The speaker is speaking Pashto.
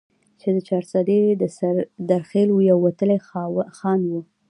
چې د چارسدي د سردرخيلو يو وتلے خان وو ،